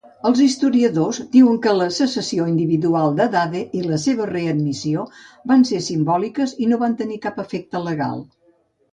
Els historiadors diuen que la secessió individual de Dade i la seva readmissió van ser simbòliques i no van tenir cap efecte legal.